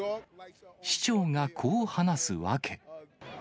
市長がこう話す訳。